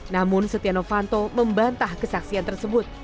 namun setianofanto membantah kesaksian tersebut